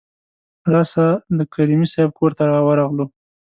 راسآ د کریمي صیب کورته ورغلو.